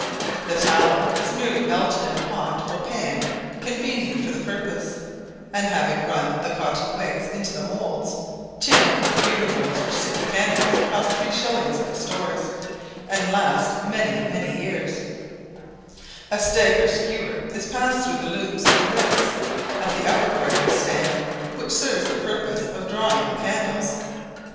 The tallow is merely melted in a pot or pan convenient for the purpose, and having run the cotton wicks into the moulds (tin or pewter moulds for six candles cost three shillings at the stores, and last many, many years), a stick or skewer is passed through the loops of your wicks, at the upper part of the stand, which serve the purpose of drawing the candles.